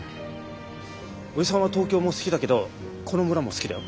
おじさんは東京も好きだけどこの村も好きだよ。